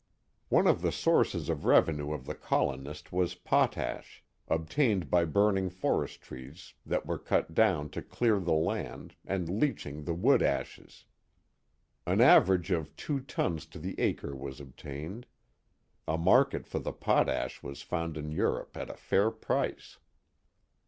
One of the sources of revenue of the colonist was potash, obtained by burning forest trees that were cut down to clear the land, and leaching the wood ashes. An average of two tons to the acre was obtained. A market for the potash was found in Europe, at a fair price.